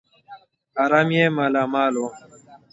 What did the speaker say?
حرم یې مالامال وو.